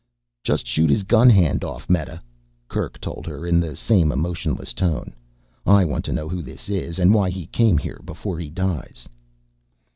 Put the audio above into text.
"Just shoot his gun hand off, Meta," Kerk told her, in the same emotionless tone. "I want to know who this is, why he came here, before he dies."